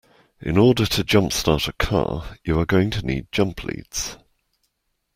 In order to jumpstart a car you are going to need jump leads